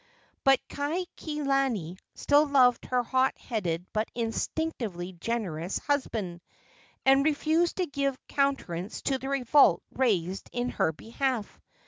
But Kaikilani still loved her hot headed but instinctively generous husband, and refused to give countenance to the revolt raised in her behalf.